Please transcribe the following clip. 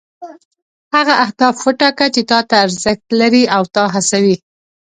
هغه اهداف وټاکه چې تا ته ارزښت لري او تا هڅوي.